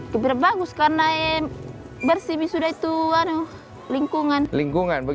kepikiran bagus karena bersih sudah itu lingkungan